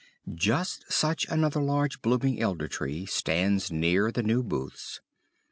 "Just such another large blooming Elder Tree stands near the New Booths.